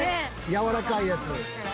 やわらかいやつ」